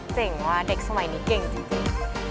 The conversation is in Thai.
ว่ะเด็กสมัยนี้เก่งจริง